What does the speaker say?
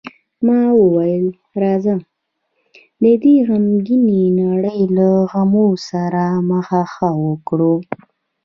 ما وویل: راځه، د دې غمګینې نړۍ له غمو سره مخه ښه وکړو.